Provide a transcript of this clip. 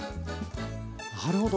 なるほど。